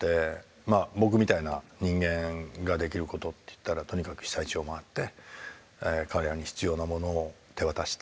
まあ僕みたいな人間ができることっていったらとにかく被災地を回って彼らに必要なものを手渡して。